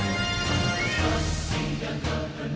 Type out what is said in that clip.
adi bapak und trafah